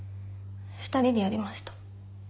２人でやりました。